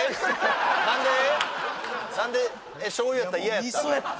しょうゆやったら嫌やったん？